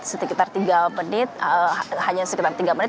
setelah itu bulan hanya sekitar tiga menit